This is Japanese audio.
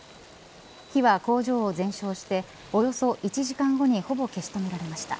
火は工場を全焼しておよそ１時間後にほぼ消し止められました。